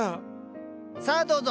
さあどうぞ。